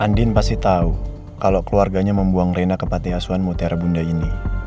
andin pasti tau kalo keluarganya membuang rena ke patiasuan mutiara bunda ini